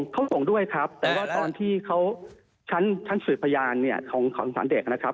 เขาห่วงด้วยครับแต่ว่าตอนที่เขาชั้นสืบพยานเนี่ยของสงสารเด็กนะครับ